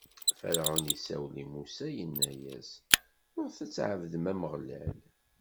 Ferɛun isawel i Musa, inna-as: Ṛuḥet Ad tɛebdem Ameɣlal.